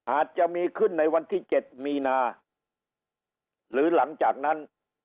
อาจจะมีขึ้นในวันที่๗มีนาหรือหลังจากนั้น